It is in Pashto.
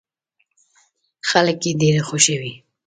خلک يې ډېر خوښوي.